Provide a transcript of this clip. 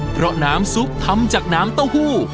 เพราะน้ำซุปทำจากน้ำเต้าหู้